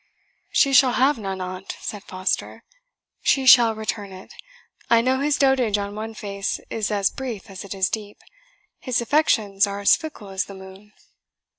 "She shall have none on't," said Foster; "she shall return it. I know his dotage on one face is as brief as it is deep. His affections are as fickle as the moon."